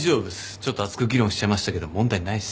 ちょっと熱く議論しちゃいましたけど問題ないっす。